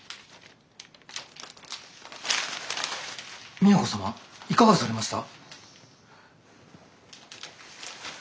都様いかがされました？